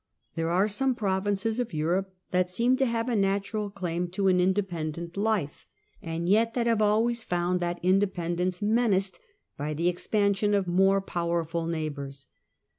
There are some provinces Europe that seem to have a natural claim to an inde CHARLES, KING OF THE FRANKS, 773 799 163 pendent life, and yet that have always found that in dependence menaced by the expansion of more powerful neighbours.